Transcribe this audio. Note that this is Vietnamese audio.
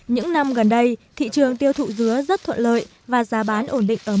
những năm gần đây thị trường tiêu thụ dứa rất thuận lợi và giá bán ổn định ở